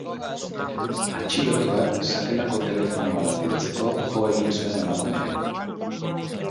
Atxilotuak sakelako telefonoa lapurtzeko jo egin zuen emakumea.